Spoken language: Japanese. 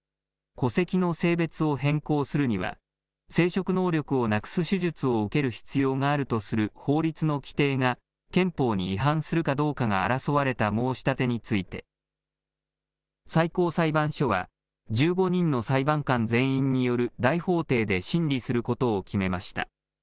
戸籍の性別を変更するには、生殖能力をなくす手術を受ける必要があるとする法律の規定が憲法に違反するかどうかが争われた申し立てについて、最高裁判所は１５人の裁判官全員による大法廷で審理することを決めました。